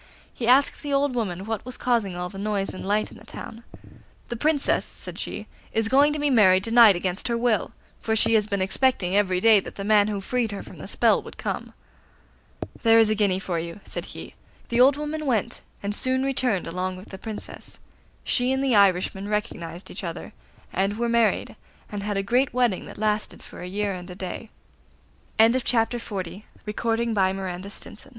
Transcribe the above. He asked the old woman what was causing all the noise and light in the town. 'The Princess,' said she, 'is going to be married to night against her will, for she has been expecting every day that the man who freed her from the spell would come.' 'There is a guinea for you,' said he; 'go and bring her here.' The old woman went, and soon returned along with the Princess. She and the Irishman recognised each other, and were married, and had a great wedding that lasted for a year and a day.